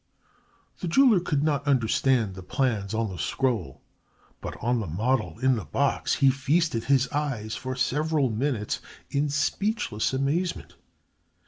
The jeweler could not understand the plans on the scroll, but on the model in the box he feasted his eyes for several minutes in speechless amazement.